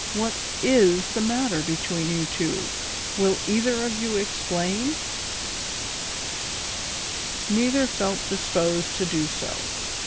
"What is the matter between you two, will either of you explain ?" Neither felt disposed to do so.